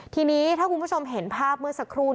ทีนี้ถ้าคุณผู้ชมเห็นภาพเมื่อสักครู่